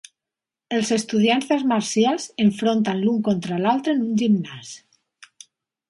Els estudiants d'arts marcials enfronten l'un contra l'altre en un gimnàs.